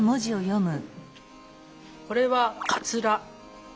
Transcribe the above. これはかつら。